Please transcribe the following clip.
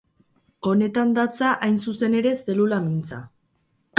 Honetan datza hain zuzen ere zelula mintza.